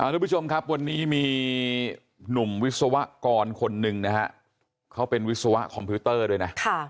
ทุกผู้ชมครับวันนี้มีหนุ่มวิศวกรคนหนึ่งนะฮะเขาเป็นวิศวะคอมพิวเตอร์ด้วยนะ